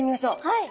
はい。